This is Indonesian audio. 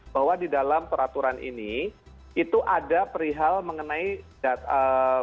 bahwa di dalam peraturan ini itu ada perihal mengenai data